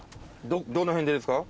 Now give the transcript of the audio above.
どの辺でですか？